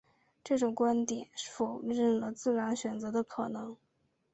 这种观点否认了自然选择的可能。